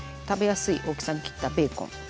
食べやすい大きさに切ったベーコン。